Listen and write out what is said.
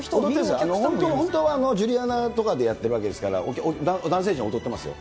本当はジュリアナとかでやってるわけですから、男性陣踊ってますよ。